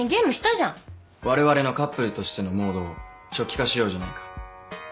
われわれのカップルとしてのモードを初期化しようじゃないか。